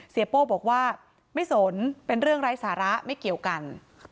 โป้บอกว่าไม่สนเป็นเรื่องไร้สาระไม่เกี่ยวกัน